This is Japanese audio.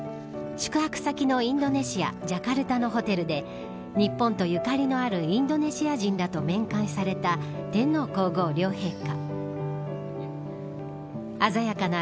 宿泊先のインドネシアジャカルタのホテルで日本とゆかりのあるインドネシア人らと面会された天皇皇后両陛下。